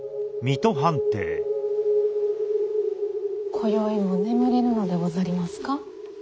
今宵も眠れぬのでございますか？